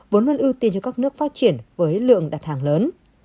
vốn luôn ưu tiên cho các nước phát triển với lượng đặt hàng lớn